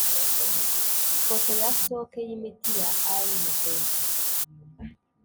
photo ya stock y imiti ya arv